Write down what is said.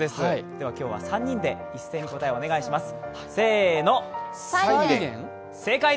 では３人で一斉に答えをお願いします。